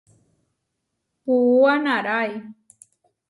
Puúa naʼrái.